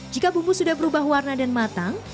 jika bumbu sudah berubah warna dan matang